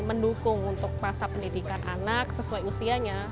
mendukung untuk masa pendidikan anak sesuai usianya